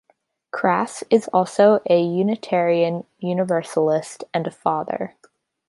Crass is also a Unitarian Universalist and a father.